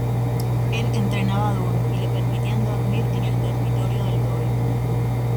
Él entrenaba duro y le permitían dormir en el dormitorio del dojo.